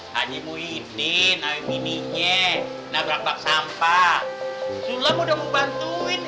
hai anjimu ini nah ini nye nabrak sampah sudah mudah membantuin